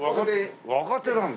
若手なんだ。